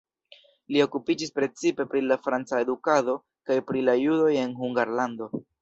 Li okupiĝis precipe pri la franca edukado kaj pri la judoj en Hungarlando.